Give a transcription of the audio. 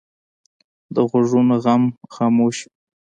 د غوږونو غم خاموش وي